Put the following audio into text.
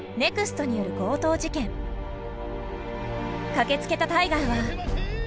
駆けつけたタイガーは。